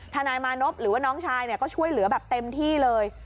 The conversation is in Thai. นายมานพหรือว่าน้องชายก็ช่วยเหลือแบบเต็มที่เลย